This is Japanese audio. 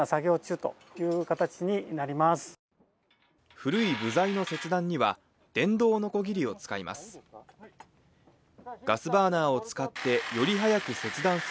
古い部材の切断には電動のこぎりを使います。